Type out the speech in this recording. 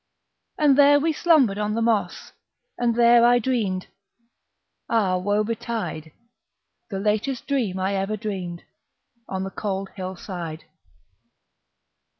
And there we slumbered on the moss, And there I dreamed, ah! woe betide, The latest dream I ever dreamed On the cold hill side.